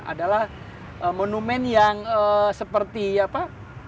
adalah monumen yang seperti apa